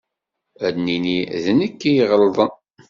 Ad nini d nekk i iɣelḍen.